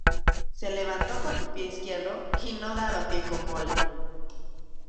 Se levantó con el pie izquierdo y no daba pie con bola